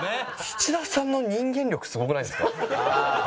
土田さんの人間力すごくないですか？